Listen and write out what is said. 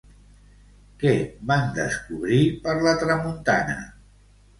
Què van descobrir per la Tramuntana?